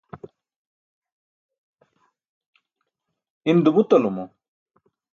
in dumuṭalumo